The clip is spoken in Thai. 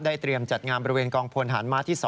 ได้เตรียมจัดงามบริเวณกองพวนหารม้าที่๒